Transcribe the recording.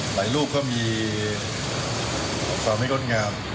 หลายลูกก็มีความไม่กดงาม